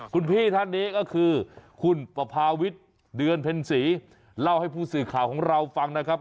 คุณพี่ท่านนี้ก็คือคุณปภาวิทย์เดือนเพ็ญศรีเล่าให้ผู้สื่อข่าวของเราฟังนะครับ